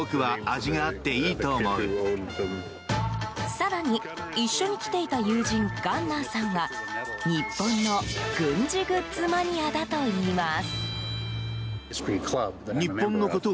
更に、一緒に来ていた友人ガンナーさんは日本の軍事グッズマニアだといいます。